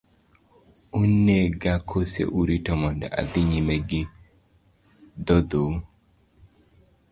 Unega kose urita mondo adhi nyime gi dhodhou.